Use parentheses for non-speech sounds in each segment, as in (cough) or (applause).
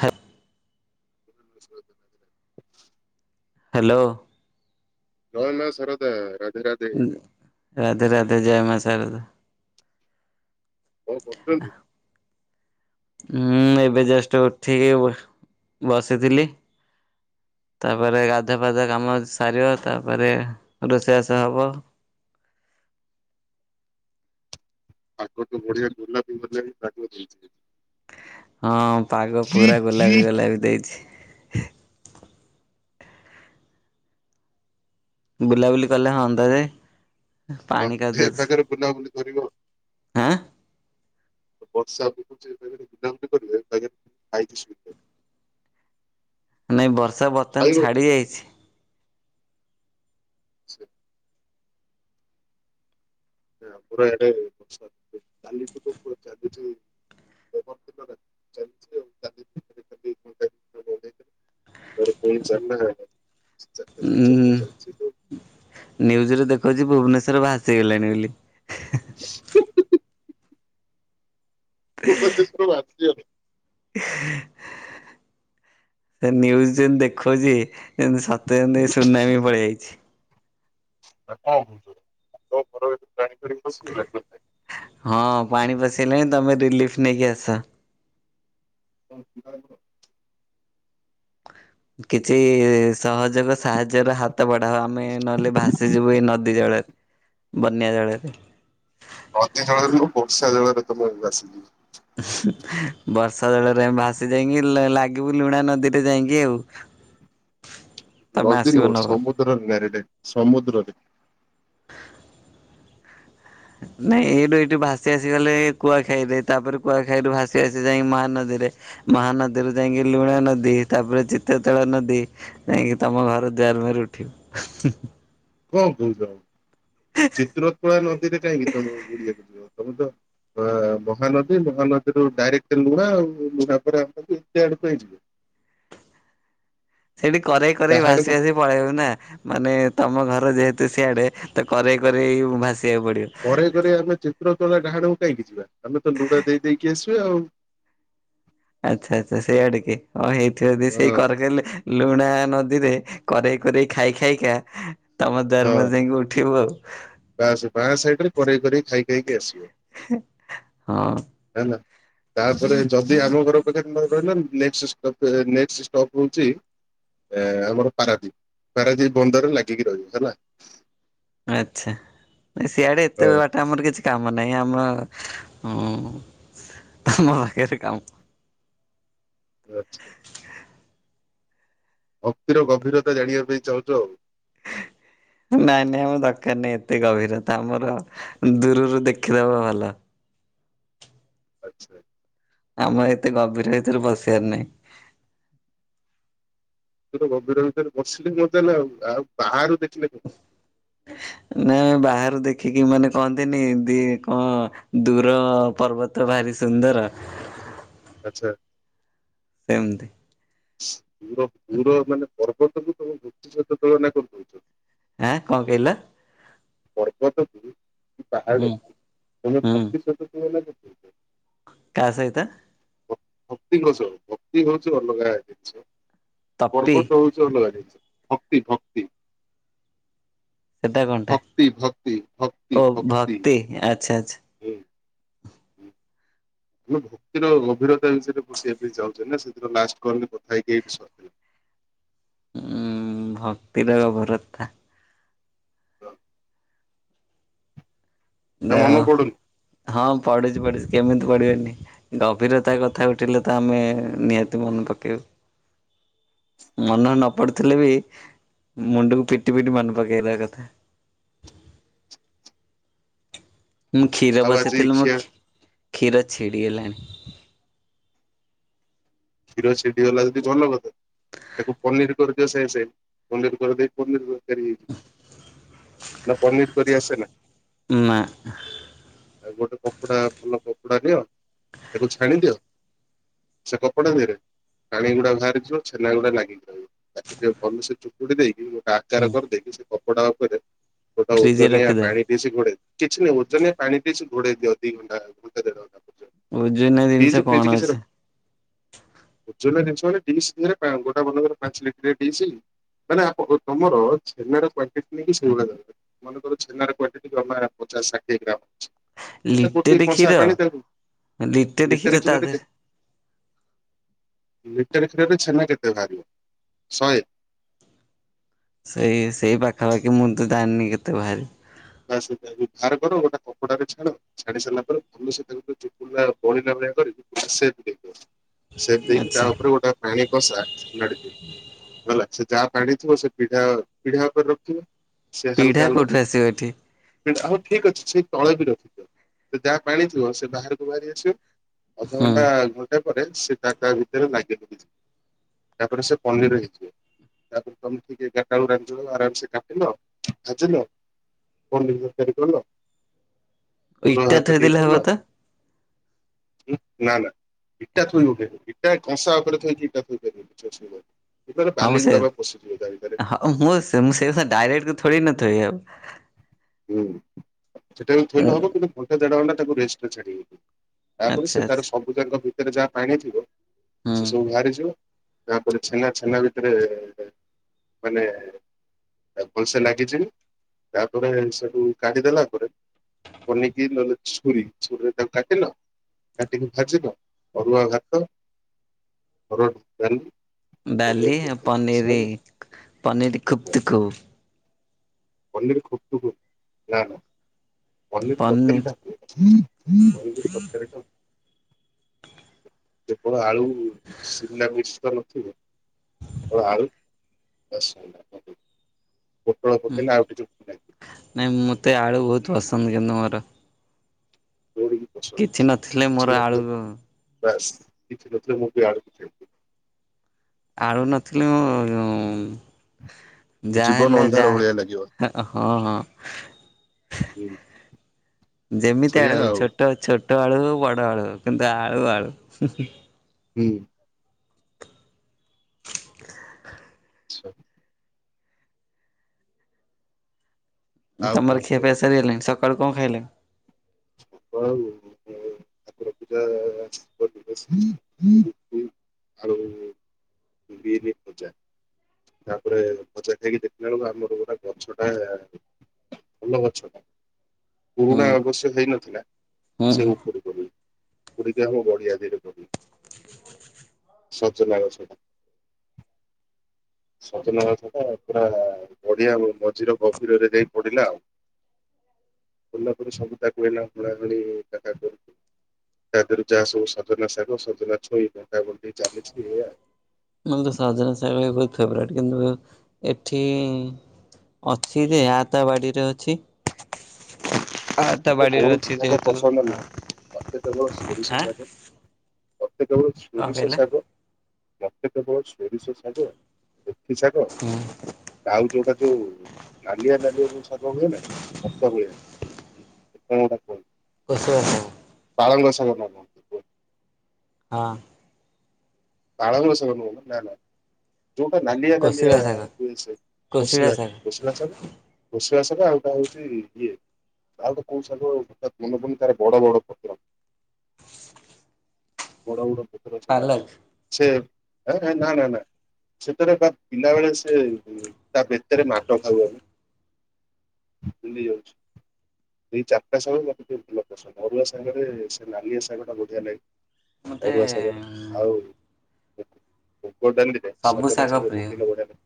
ହା (inaudible) ହାଲୋ। ଜଏ ମା ସରଦା ରାଧେ ରା ଉଁ ରାଧେ ରାଧେ ଜଏ ମା ସାରଦା। କଣ କରୁଚନ୍ତି? ହୁଁ ଏବେ ଜଷ୍ଟ ଉଠିକି ବ ବସିଥିଲି। ତାପରେ ଗାଧୁଆ ଫାଧୁଆ କାମ ସାରିବ ତାପରେ ରୋଷେଇବାସ ହବ। ତାଙ୍କଠୁ ବଢ଼ିଆ (unintelligible) ହଁ ପାଗ ପୁରା ଗୋଲାପି ଗୋଲାପି ଦେଇଚି। ବୁଲାବୁଲି କଲେ ହଁନ୍ତା ଯେ ହଁ ପାଣି କାଦୁଅ (unintelligible) ପାଖରେ ବୁଲାବୁଲି କରିବ ଆଉ। ହାଁ ବର୍ଷା ପକଉଚି ଏବେ ଯଦି ବୁଲାବୁଲି କରିବେ (unintelligible) ଖାଇକି ଶୋଇବି। (inaudible) ନାଇଁ ବର୍ଷା ବର୍ତ୍ତମାନ ଖାଇବ ଛାଡ଼ିଯାଇଚି। ସେ ପେ ଆମର ଆରେ ବର୍ଷା ପକଉଚି କାଲି ପକଉଥିଲା ଆଜି ଟିକେ (unintelligible) (inaudible) କଣ (unintelligible) ନିଉଜ ରେ ଦେଖଛି ଭୁବନେଶ୍ଵର ଭାସି ଗଲାଣି ବୋଲି। (inaudible) ଭୁବନେଶ୍ୱର ଭାସି ଗଲା। ହ (inaudible) ସେ ନିନ୍ୟୁଜ ଯେମତି ଦେଖଉଛି, ଯେମତି ସତେ ଯେମିତି ସୁନାମି ପଳେଇ ଆଇଛି। କଣ କହୁଛୁ (inaudible) ହଁ ପାଣି ପଶିଗଲାଣି ତମେ ରିଲିଫ ନେଇକି ଆସ। (inaudible) କିଛି ସହଯୋଗ ସାହାଯ୍ୟର ହାତ ବଢାଅ ଆମେ ନହେଲେ ଭାସିଯିବୁ ଏଇ ନଦୀ ଜଳରେ। ବନ୍ୟା ଜଳରେ। ନଦୀ ଜଳରେ ନୁହଁ ବର୍ଷା ଜଳରେ ତମେ ଭାସି ଯିବ। ବର୍ଷା ଜଳରେ ଆମେ ଭାସି ଯାଇକି ଲାଗିବୁ ଲୁଣା ନଦୀରେ ଯାଇକି ଆଉ। ତମେ ନଦୀ ଆସିବ ନୁହ ନବ ସମୁଦ୍ରରେ ଡାଇରେକଟ ସମୁଦ୍ରରେ ନାଇଁ ଏଇଠୁ ଏଇଠୁ ଭାସି ଭାସିଗଲେ କୁଆଖାଇ ରେ ତାପରେ କୁଆଖାଇ ରୁ ଭାସି ଭାସି ଯାଇକି ମହାନଦୀରେ ମହାନଦୀରୁ ଯାଇକି ଲୁଣ ନଦୀ ତାପରେ ଚିତ୍ରତଳ ନଦୀ। ଯାଇଁକି ତମ ଘର ଦୁଆର ମୁହଁରେ ଉଠିବୁ। କଣ କହୁଛ ଚିତ୍ରକଳା ନଦୀରେ କାହିଁକି ତମ ବୁଡିଆକୁ ଯିବ ତମେ ତ ମହାନଦୀ, ମହାନଦୀରୁ ଡାଇରେକ୍ଟ ଲୁଣା ଆଉ ଲୁହା ପରେ ଆମ ଆଡକୁ (inaudible) ସେଠି କରେଇ କରେଇ ଭାସି ଡାହାଣକୁ ଭାସି ପଳେଇବୁ ନା ମାନେ ତମ ଘର ଯେହେତୁ ସିଆଡେ। ତ କରେଇ କରେଇ ଭାସିବାକୁ ପଡ଼ିବ। ଘରେ ଆମେ ଚିତ୍ର ତୋଳା ଡାହାଣକୁ କାହିଁକି ଯିବା ଆମେ ତ ଲୁଣା ଦେଇ ଦେଇକି ଆସିବା ଆଉ। ଆଚ୍ଛା, ଆଚ୍ଛା ସେଇ ଆଡେ କି ହଁ ହେଇଥିବ ଯଦି ସେଇ ହଁ କର କହିଲେ ଲୁଣା ନଦୀରେ କରେଇ କରେଇ ଖାଇ ଖାଇକା ତମ ଦ୍ୱାର ମୁହଁରେ ଯାଇକି ଉଠିବୁ। ବାଁ ବାଁ ସାଇଡ ରେ କରେଇ କରେଇ ଖାଇ ଖାଇକି ଆସିବ। ହଁ। ହେଲା। ତାପରେ ଯଦି ଆମ ଘର ପାଖରେ ନରହିଲ ତାପରେ ନେକଷ୍ଟ ନେକଷ୍ଟ ଷ୍ଟପ ହଉଛି ଏ ଆମର ପାରାଦୀପ ପାରାଦୀପ ବନ୍ଦରରେ ଲାଗିକି ରହିବ ହେଲା। ଆଚ୍ଛା ନାଁ ସିଆଡେ ଏତେ ବା ଆମର କିଛି କାମ ନାହିଁ ଆମ ହଁ ତମ ପାଖରେ କାମ। ଆଚ୍ଛା। ଭକ୍ତିର ଗଭୀରତା ଜାଣିବା ପାଇଁ ଚାହୁଁଛୁ ଆଉ। ନାଇଁ ନାଇଁ ଆମ ଦରକାର ନାଇଁ ଏତେ ଗଭୀର ତ ଆମର ଦୂରରୁ ଦେଖିଦବା ଭଲ। ଆଚ୍ଛା। ଆମର ଏତେ ଗଭୀର ଭିତରେ ପସିବାର ନାହିଁ। ଗଭୀର ଭିତରେ ପସିଲେ ମଜାନା ଆଉ ବାହାରୁ ଦେଖିଲେ କ ନା ବାହାରୁ ଦେଖିକି ମାନେ କହନ୍ତିନି ଦି କଣ ଦୂର ପର୍ବତ ଭାରି ସୁନ୍ଦର। ଆଚ୍ଛା। ସେମିତି। ଦୂର ଦୂର ମାନେ ପର୍ବତକୁ ତମ (unintelligible) ସହିତ ତୁଳନା କରିଦଉଛ। ହଁ କଣ କହିଲ? ପର୍ବତକୁ କି ହୁଁ ପାହାଡ଼କୁ? ତମେ ହୁଁ ଭକ୍ତି ସହିତ ତୁଳନା କରିଦେଉଚ? କା ସଇତ? ଭକ୍ତିଙ୍କ ସହ ଭକ୍ତି ହଉଛି ଅଲଗା ଜିନିଷ, ତପି ପର୍ବତ ହଉଛି ସେ ଅଲଗା ଜିନିଷ ଭକ୍ତି ଭକ୍ତି। ସେଟା କଣଟା? ଭକ୍ତି ଭକ୍ତି ଭକ୍ତି ଓ ଭକ୍ତି ଆଚ୍ଛା ଆଚ୍ଛା। ହୁଁ ହୁଁ। ଆମେ ଭକ୍ତିର ଗଭୀରତା ବିଷୟରେ ପଷିବାକୁ ପାଇଁ ଚାହୁଁଚେ ନା ସେଦିନ ଲାଷ୍ଟ କଲ୍ କଥା ହେଇକି ଏଠି ସରିଥିଲା। ଉଁ ଭକ୍ତିର ଗଭରତା। (inaudible) ନା ଦେହ ମନେ ପଡୁନି ହଁ ପଢୁଛି ପଢୁଛି କେମିତି ପଢିବେନି। ଗଭୀରତା କଥା ଉଠିଲେ ତ ଆମେ ନିହାତି ମନେ ପକେଇବୁ। ମନ ନ ପଡୁଥିଲେ ବି ମୁଣ୍ଡକୁ ପିଟି ପିଟି ମନେ ପକେଇଦବା କଥା। ମୁଁ କ୍ଷୀର ଆଉ ଆଜି ବସେଇଥିଲି ମୋ ଖିଆ ଖି କ୍ଷୀର ଛିଡିଗଲାଣି। କ୍ଷୀର ଛିଡି ଗଲା ଯଦି ଭଲ କଥା। ତାକୁ ପନିର କରିଦିଅ ସେଇ ସେମ ପନିର କରିଦେଇ ପନିର ତରକାରୀ ହେଇଯି ନା ପନିର କରି ଆସେ ନା। ନା। ଆଉ ଗୋଟେ କପଡା ଭଲ କପଡା ନିିଅ ତାକୁ ଛାଣି ଦିଅ। ସେ କପଡା ଧୀଅରେ ପାଣି ଗୁଡା ବାହାରିଯିବ ଛେନା ଗୁଡା ଲାଗିକି ତାକୁ ଟିକେ ଭଲ ସେ ଚୁପୁଡି ଦେଇକି ଗୋଟେ ଆ ଆଚାର ହୁଁ କରିଦେଇକି ସେ କପଡା ଉପରେ ଗୋଟେ ଫ୍ରିଜରେ ଓଜନିଆ ରଖିଦବା ପାଣି। ଡିସ ଘୋଡେଇ କିଛି ନାହିଁ ଓଜନିଆ ପାଣି ଡିସ ଘୋଡେଇ ଦିଅ ଦି ଘଣ୍ଟା ଘଣ୍ଟେ ଦେଢ ଘଣ୍ଟା ପର୍ଯ୍ୟ ଓଜନିଆ ଜିନିଷ କଣ ଅଛି? ଓଜନିଆ ଜିନିଷ ମାନେ ଡିସ ଧୀଅରେ ପା ଗୋଟା ବଡ୍ ବଡ ପାଞ୍ଚ ଲିଟରିଆ ଡିସ। ମାନେ ଆପ ଓ ତମର ଛେନାର କ୍ୱାଣ୍ଟିଟି ନେଇକି ସେଇଭଳିଆ ଦରକାର। ମନେ କର ଛେନାର କ୍ୱାଣ୍ଟିଟି ଜମା ପଚାଶ ଷାଠିଏ ଗ୍ରାମ ଅଛି। ଏ ଗୋଟିଏ ଲିଟେରେ କ୍ଷୀର କଂସା ପାଣି ତା ହୁଁ। ଲିଟେରେ କ୍ଷୀର କେତେ? ଲିଟେରେ କ୍ଷୀରରେ ଛେନା କେତେ ବାହାରିବ ଶହେ? ସେଇ ସେଇ ପାଖାପାଖି ମୁଁ ତ ଜାଣିନି କେତେ ବାହାରି ତା ସେଟା ବି ବାହାର କର ଗୋଟା କପଡାରେ ଛାଣ। ଛାଣି ସାରିଲା ପରେ ଭଲ ସେ ତାକୁ ଚୂପୁଡ଼ିଲା ପହିଲା ଭଳିଆ କରି (inaudible) ସେପ ଦେଇଦିଅ। ସେପ ଦେଇକି ଆଚ୍ଛା ତାଉପରେ ଗୋଟେ ପାଣି। କଂସା ନା ଡିକି ହେଲା ସେ ଯାହା ପାଣି ଥିବ ସେ ପିଢା ପିଢା ଉପରେ ରଖିବ। ପିଢ଼ା କଉଠୁ ଆସିବ ଏଠି? ପିଢ଼ା ହଉ ଠିକ ଅଛି ସେଇ ତଳେ ବି ରଖିଦିଅ ସେ ଯାହା ପାଣି ଥିବ ସେ ବାହାରକୁ ବାହାରି ଆସିବ। ହୁଁ ଅଧଘଣ୍ଟା ଘଣ୍ଟେ ପରେ ସେ ତା ତା ଭିତରେ ଲାଗି ଲୁଗି ଯିବ। ତାପରେ ସେ ପନିର ହେଇଯିବ। ତାପରେ ତମେ ଠିକ୍ ଏଗାରଟା ବେଳୁ ରାନ୍ଧିବ ଆରାମସେ କାଟିିଲ ଭାଜିିଲ। ପନିର ତରକାରୀ କଲ୍ ଅରୁଆ ଇଟା ଭାତ ଟିକେ ଥୋଇଦେଲେ ହବ କଲ୍। ତ ନା ନା। ଇଟା ଥୋଇହେଇପାରିବ ଇଟା କଂସା ଉପରେ ଥୋଇକି ଇଟା ଥୋଇପାରିବ କିଛି ଅସୁବିଧା ଇଟା ରେ ବାଲି ଗୁଡ଼ା ପା ପଶିଯିବ ତା ଭିତରେ। ଆଉ ମୁଁଁ ସେ ମୁଁ ସେଇ କଥା ଡାଇରେକ୍ଟ କୁ ଥୋଡି ନା ଥୋଇବି ଆଉ। ହୁଁ ସେଟା କୁ ଥୋଇଲେ ହବ କିନ୍ତୁ ଘଣ୍ଟେ ଦେଢ଼ ଘଣ୍ଟା ତାକୁ ରେଜଷ୍ଟ ରେ ଛାଡ଼ି ତାପରେ ଆଚ୍ଛା ସେ ଆଚ୍ଛା ତାର ସବୁଯାକ ଭିତରେ ଯାହା ପାଣି ଥିବ ହୁଁ ସେ ସବୁ ବାହାରିଯିବ। ତାପରେ ଛେନା ଛେନା ଭିତରେ ମାନେ। ତା ଭଲସେ ଲାଗିଯିବ। ତାପରେ ସେଠୁ କାଢ଼ିଦେଲା ପରେ ପନିକି ନହେଲେ ଛୁରୀ ଛୁରୀରେ ତାକୁ କାଟିଲ। କାଟିିକି ଭାଜିଲ ଅରୁଆ ଭାତ, ହରଡ୍ ଡାଲି। ପନିର ବାଲି ତରକାରୀ ପନିରି ସଇଲା ପନିରି ଖୁପ୍ତୁ କୁ। ପନିରି ଖୂପ୍ତୁକୁ ନା ନା ପନିର ପନି ତରକାରୀଟା। ପନିର (unintelligible) ଖାଉ। ଯେ କଣ ଆଳୁ ସିିଲାମିର୍ଶ ନ ଥିବ। (unintelligible) ନାଇଁ ମତେ ଆଡୁ ବହୁତ ପସନ୍ଦ କିନ୍ତୁ ମୋର। (unintelligible) କିଛି ନଥିଲେ କିଛି ମୋର ଆଳୁ ନଥିଲେ ବାସ୍ କିଛି ନଥିଲେ ମୁଁ ବି ଆଳୁ (unintelligible) ଆଳୁ ନଥିଲେ ମୁଁଁ ଯାହା ଜୀବନ ହେଲେ ଅନ୍ଧାର ଯା ଭଳିଆ ଲାଗିବ। ହଁ ହଁ। ଯେମିତି ସେଇଆ ଆଳୁ ହୋଊ ଆଉ ଛୋଟ ଛୋଟ ଆଳୁ ହଉ ବଡ ଆଳୁ କିନ୍ତୁ ଆଳୁ ଆଳୁ। ହୁଁ। (unintelligible) ଆଉ କଣ ତମର ଖିଆ କୁହ? ପିଆ ସରିଗଲାଣି ସକାଳୁ କଣ ଖାଇଲେ। (unintelligible) ହୁଁ ଆଳୁ ବିରି ଭଜା। ତାପରେ ଭଜା ଖାଇକି ଦେଖିଲା ବେଳକୁ ଆମର ଗୋଟା ଗଛ ଟା ଆମ୍ୱ ଗଛ ଟା। ହୁଁ ପୁରୁଣା ଅବଶ୍ୟ ହେଇନଥିଲା ହୁଁ ସେ ଉପରେ ଗ ଉପୁଡ଼ିକି ଗଡ଼ିଆ ଦିହରେ ପଡ଼ିବ ସଜନା ଗଛଟା। ସଜନା ଗଛ ଟା ପୁରା ଗଡ଼ିଆ ମଝିର ଗଭୀରରେ ଯାଇ ପଡିଲା ଆଉ। (unintelligible) ତା ଦେହରେ ଯାହା ସବୁ ସଜନା ସାଗ ସଜନା ଛୁଇଁ ବଣ୍ଟା ବଣ୍ଟି ଚାଲିଚି ଏଇଆ। ମୋର ତ ସଜନା ଶାଗ ବି ବହୁତ ଫେବରାଇଟ୍ କିନ୍ତୁ ଏଠି ଅଛି ଯେ ଆ ତା ବାଡିରେ ଅଛି। ଆ ତା ମତେ ବାଡିରେ କୌଣସି ଅଛି ଶାଗ ଯେହେତୁ ପସନ୍ଦ ନୁହଁ। ମତେ କେବଳ ସୋରିଷ ଆଁ। ଶାଗ ମତେ କେବଳ ସୋରିଷ କହିଲେ? ଶାଗ ମତେ କେବଳ ସୋରିଷ ଶାଗ ମେଥି ଶାଗ ହୁଁ। ଆଉ ଯୋଉଟା ଯୋଉ ନାଲିଆ ନାଲିଆ ଯୋଉ ଶାଗ ହୁଏ ନା ସେଟା ହୁଏ। (unintelligible) (unintelligible) ପାଳଙ୍ଗ ଶାଗ ନା କଣ। କୁହନ୍ତି? ହଁ। ପାଳଙ୍ଗ ଶାଗ ନୁହେଁ ମ ନା ନା। ଯୋଉଟା ନାଲିଆ ନାଲିିଆ କୋଶିଳା ଶାଗ କୋଶିଳା ଶାଗ (unintelligible) (unintelligible) ଆଉ ଟା ହଉଚି ଇଏ ଆଉ ଗୋଟେ କୋଉ ଶାଗ ସେଟା ମନେ ପଡ଼ୁନି ତାର ବଡ ବଡ ପତ୍ର। ବଡ ବଡ ପତ୍ର ସେଟା ପାଲକ୍ ସେ ନା ନା ନା ସେଥିରେ ବା ପିଲାବେେଳେ ସେ ତା ବେତରେ ମାଡ ଖାଉ ଆମେ। ଭୁଲି ଯାଇଚୁ। ଦି ଚାରିଟା ଶାଗ ମତେ ଟିକେ ଭଲ ପସନ୍ଦ ଅରୁଆ ସାଙ୍ଗରେ ସେ ନାଲିଆ ଶାଗ ଟା ବଢିଆ ଲାଗେ। ମତେ ଅରୁଆ ସାଙ୍ଗରେ ଆଉ ମୁଗ ଡ଼ାଲି ଦିହରେ ସବୁ ସଜନା ଶାଗ ପ୍ରିୟ। ପକେଇଲେ ବଢ଼ିଆ ଲାଗେ।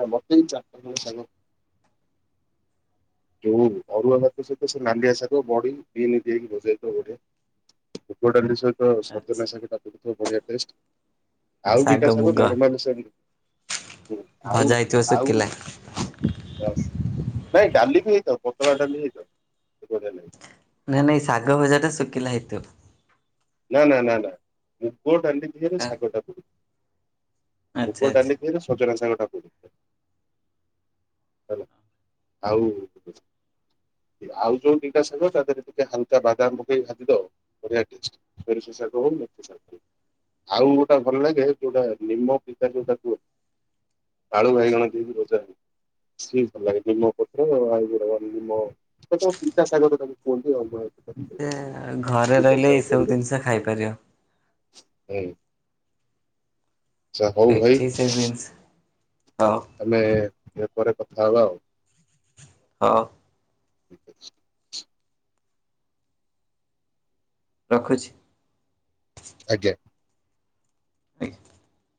ନା ମତେ କିନ୍ତୁ (unintelligible) ଯୋଉ ଅରୁଆ ଭାତ ସହିତ ସେ ନାଲିଆ ଶାଗ ବଡି (unintelligible) ମୁଗ ଡ଼ାଲି ସହିତ ଆଚ୍ଛା ସଜନା ଶାଗ ଟା ପଡିଥିବ ବଢିଆ ଟେଷ୍ଟ। ଆଉ ଦିଟା ଶାଗ ନର୍ମାଲ ସେମ ଆଉ ଭଜା ହେଇଥିବ ଆଉ। ଶୁଖିଲା। ବାସ୍ ନାଇଁ ଡାଲି ବି ହେଇଥାଉ ପତଳା ଡାଲି ହେଇଥାଉ (unintelligible) ନାଇଁ ନାଇଁ ଶାଗ ଭଜା ଟା ଶୁଖିଲା ହେଇଥିବ। ନା ନା ନା ନା ମୁଗ ଡାଲି ଧିଅରେ ଶାଗ ଟା ପଡିବ। ମୁଗ ଆଚ୍ଛା ଆଚ୍ଛା। ଡାଲି ଦିହରେ ସଜନା ଶାଗ ଟା ପଡ଼ିବ। ଆଉ ଆଉ ଯୋଉ ଦିଟା ସାାଗ ତା ଦେରେ ଟିକେ ହାଲକା ବାଦାମ ପକେଇ ଭାଜି ଦବ ବଢିଆ ଟ (unintelligible) ଆଉ ଗୋଟେ ଭଲ ଲାଗେ ଯୋଉଟା ନିମ ପିତା ଯୋଉଟା କ ଆଳୁ ଭାଇଗଣ ଦେଇକି ଭଜା ସିଏବି ଭଲ ଲାଗେ ନିମ ପତ୍ର (unintelligible) (unintelligible) ଘରେ ପିତା ରହିଲେ ଏସବୁ ଜିନିଶ ଖାଇ ପରିବ। ହଁ ଇ ଜା ହଉ ଭାଇ ଏଠି ସେ ଜିନିଷ ହଉ ଆମେ ପରେ କଥା ହବା ଆଉ ହଁ ରଖୁଛି ଆଜ୍ଞା ଆଜ୍ଞା